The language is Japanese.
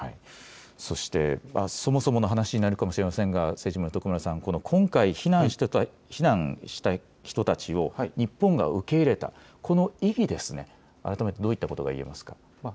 そして、そもそもの話になるかもしれませんが政治部の徳丸さん、今回、避難してきた人たちを日本が受け入れたこの意義、改めてどういったことが言えますか。